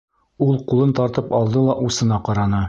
Ул ҡулын тартып алды ла усына ҡараны.